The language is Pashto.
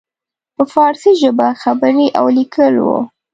په فارسي ژبه خبرې او لیکل وو.